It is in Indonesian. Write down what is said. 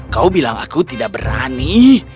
kau bilang aku tidak berani